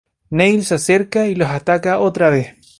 Neil se acerca y los ataca otra vez.